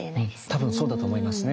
多分そうだと思いますね。